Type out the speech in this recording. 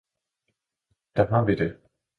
Der har vi det!